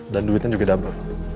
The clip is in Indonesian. dan duitnya juga double